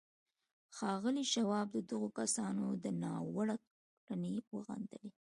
ښاغلي شواب د دغو کسانو دا ناوړه کړنې وغندلې